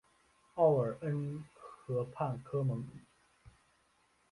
奥尔恩河畔科蒙。